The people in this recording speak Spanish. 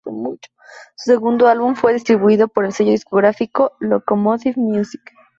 Su segundo álbum fue distribuido por el sello discográfico Locomotive Music.